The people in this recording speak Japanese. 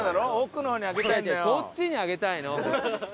そっちにあげたいの！